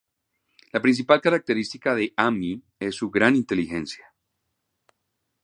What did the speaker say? La principal característica de Ami es su gran inteligencia.